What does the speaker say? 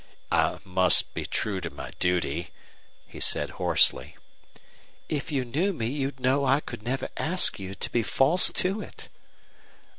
"I must be true to my duty," he said, hoarsely. "If you knew me you'd know I could never ask you to be false to it."